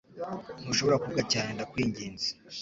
Ntushobora kuvuga cyane ndakwinginze?